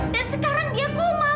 dan sekarang dia koma mbak